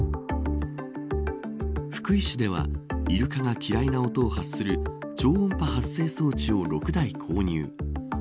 福井市ではイルカが嫌いな音を発する超音波発生装置を６台購入。